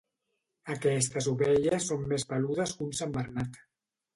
Aquestes ovelles són més peludes que un sant Bernat.